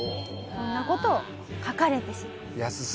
こんな事を書かれてしまう。